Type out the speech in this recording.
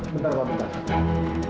bentar pak bentar